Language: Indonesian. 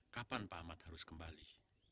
kapan pak ahmad harus kembali